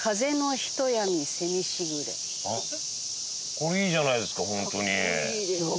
これいいじゃないですかホントに。